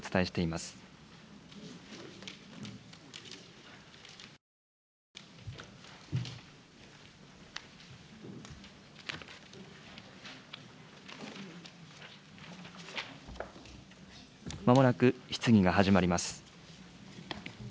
まもなく質疑が始まります。